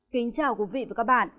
kính chào quý vị và các bạn